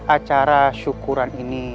acara syukuran ini